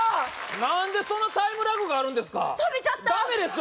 何でそんなタイムラグがあるんですか食べちゃったダメですよ